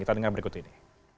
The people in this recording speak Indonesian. kita dengar berikut ini